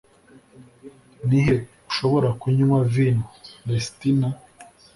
Ni he ushobora kunywa vino, Retsina?